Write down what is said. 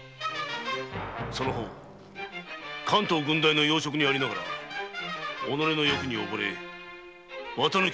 その方関東郡代の要職にありながら己の欲におぼれ綿貫仙右衛門を殺害